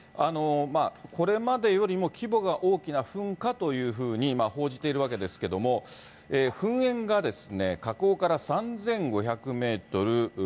これまでよりも規模が大きな噴火というふうに報じているわけですけれども、噴煙が火口から３５００メートル